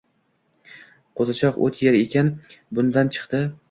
Qo‘zichoq o‘t yer ekan, bundan chiqdi